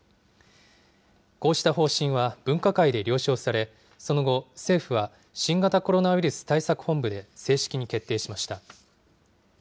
こうした方針は分科会で了承され、その後、政府は新型コロナウイルス対策本部で正式に決定しました。